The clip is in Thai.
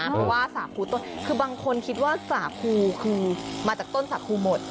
เพราะว่าสาครูต้นคือบางคนคิดว่าสาครูคือมาจากต้นสาครูหมด